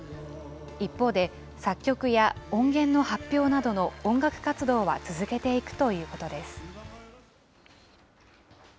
一方で、作曲や音源の発表などの音楽活動は続けていくということです。